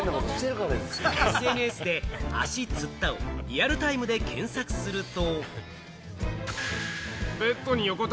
ＳＮＳで「足つった」をリアルタイムで検索すると。